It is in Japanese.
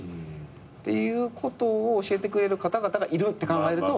ていうことを教えてくれる方々がいるって考えると。